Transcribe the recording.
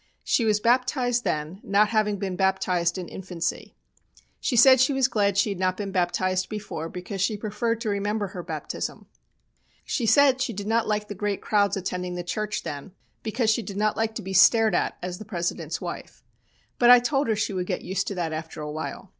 She was baptised then, not having been baptised in infancy. She said she was glad she had not been baptised before because she preferred to remember her baptism. "She said she did not like the great crowds attending the church then, because she did not like to be stared at as the President's wife. But I told her she would get used to that after a while.